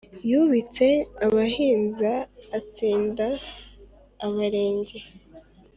Yubitse abahinza atsinda Abarenge